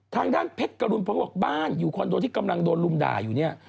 ทางด้านเพชรกรุณพลบอกบ้านอยู่คอนโดที่กำลังโดนลุมด่าอยู่เนี่ย